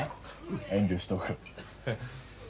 遠慮しとく。